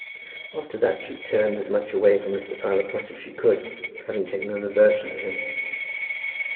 After that she turned as much away from Mr. Fowler Pratt as she could, having taken an aversion to him.